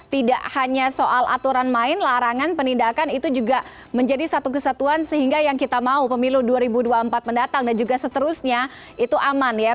tidak hanya soal aturan main larangan penindakan itu juga menjadi satu kesatuan sehingga yang kita mau pemilu dua ribu dua puluh empat mendatang dan juga seterusnya itu aman ya